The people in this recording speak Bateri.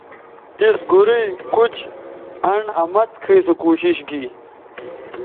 تِس گورئ، کُچ، انڈ آ مڅ کھئ سو کوشش گی